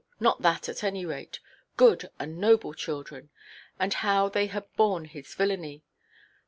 Not that at any rate,—good and noble children: and how they had borne his villainy!